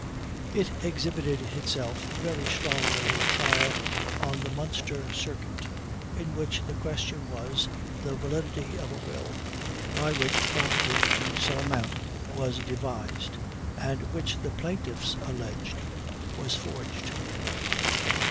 It exhibited itself very strongly in a trial on the Munster Circuit, in which the question was, the validity of a will, by which property to some amount was devised, and which the plaintiffs alleged was forged.